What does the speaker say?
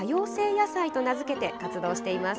野菜と名付けて活動しています。